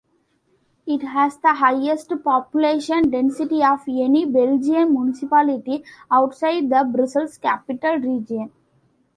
It has the highest population density of any Belgian municipality outside the Brussels-Capital Region.